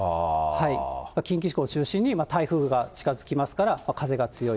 近畿地方を中心に台風が近づきますから、風が強い。